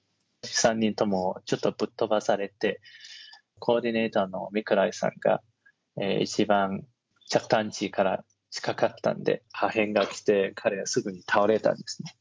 ３人ともちょっとぶっ飛ばされて、コーディネーターのミコライさんが一番着弾地から近かったので、破片が来て、彼はすぐに倒れたんですね。